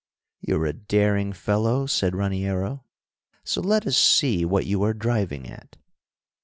"You're a daring fellow," said Raniero, "so let us see what you are driving at!"